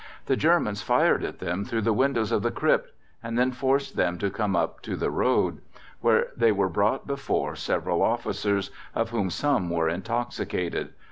The Germans fired at them through the windows of the crypt, and then forced them to come up to the road, where they were brought before several officers, of whom some were intoxicated.